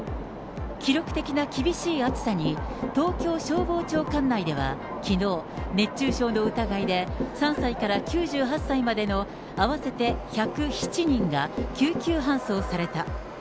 記録的な厳しい暑さに、東京消防庁管内では、きのう、熱中症の疑いで３歳から９８歳までの合わせて１０７人が救急搬送された。